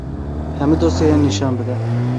Hemû dosyeyan nîşan bide.